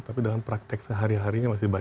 tapi dalam praktek sehari hari ini masih banyak